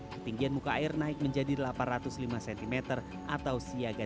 ketinggian muka air naik menjadi delapan ratus lima cm atau siaga dua